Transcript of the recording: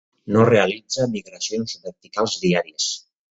No realitza migracions verticals diàries.